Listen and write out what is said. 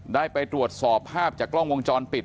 ได้ไปตรวจสอบภาพจากกล้องวงจรปิด